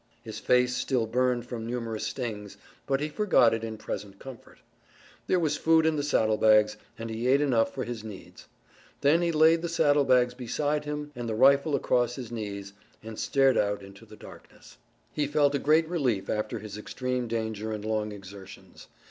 His face still burned from numerous stings, but he forgot it in present comfort. There was food in the saddlebags, and he ate enough for his needs. Then he laid the saddlebags beside him and the rifle across his knees and stared out into the darkness. He felt a great relief after his extreme danger and long exertions.